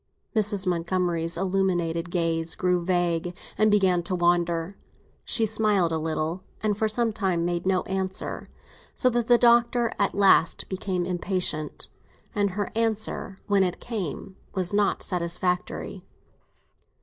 Mrs. Montgomery's illuminated gaze grew vague, and began to wander. She smiled a little, and for some time made no answer, so that the Doctor at last became impatient. And her answer, when it came, was not satisfactory.